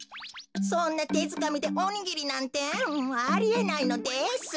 そんなてづかみでおにぎりなんてありえないのです。